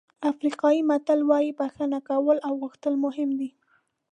افریقایي متل وایي بښنه کول او غوښتل مهم دي.